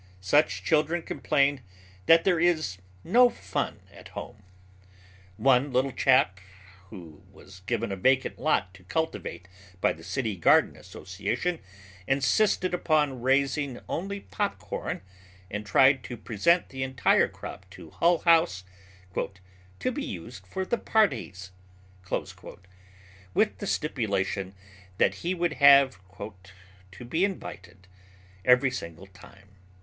Such children complain that there is "no fun" at home. One little chap who was given a vacant lot to cultivate by the City Garden Association insisted upon raising only popcorn and tried to present the entire crop to Hull House "to be used for the parties," with the stipulation that he would have "to be invited every single time."